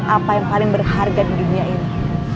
apa yang paling berharga di dunia ini